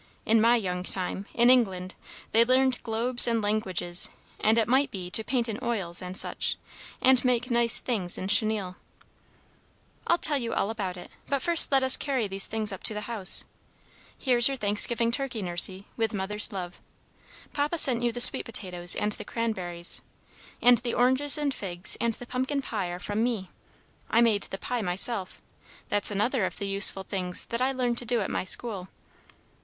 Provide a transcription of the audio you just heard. In my young time, in England, they learned globes and langwidges, and, it might be, to paint in oils and such, and make nice things in chenille." "I'll tell you all about it, but first let us carry these things up to the house. Here's your Thanksgiving turkey, Nursey, with Mother's love. Papa sent you the sweet potatoes and the cranberries; and the oranges and figs and the pumpkin pie are from me. I made the pie myself. That's another of the useful things that I learned to do at my school."